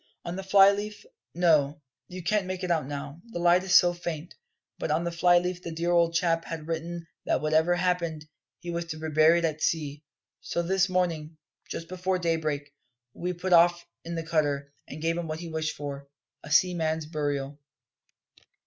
"On the fly leaf no, you can't make it out now, the light is so faint but on the fly leaf the dear old chap had written that whatever happened, he was to be buried at sea. So this morning, just before daybreak, we put off in the cutter, and gave him what he wished for a seaman's burial."